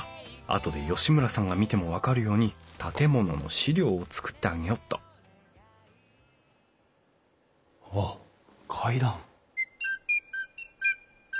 あとで吉村さんが見ても分かるように建物の資料を作ってあげよっとあっ階段。